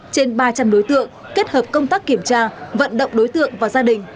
trên ba trăm linh đối tượng kết hợp công tác kiểm tra vận động đối tượng và gia đình